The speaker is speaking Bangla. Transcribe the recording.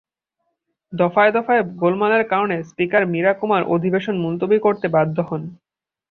দফায় দফায় গোলমালের কারণে স্পিকার মীরা কুমার অধিশেন মুলতুবি করতে বাধ্য হন।